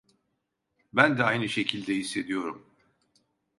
Ben de aynı şekilde hissediyorum.